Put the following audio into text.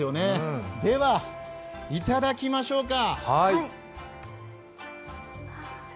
では、いただきましょうか。